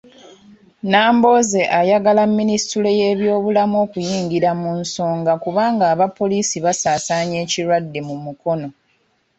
Nambooze ayagala aba Minisitule y'ebyobulamu okuyingira mu nsonga kubanga abapoliisi baasaasaanya ekirwadde mu Mukono.